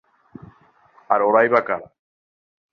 আর ওরাই বা কারা?